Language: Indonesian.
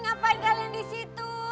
ngapain kalian disitu